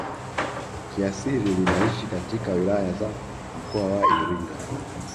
Kiasili linaishi katika wilaya za mkoa wa Iringa